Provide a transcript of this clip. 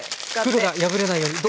袋が破れないように。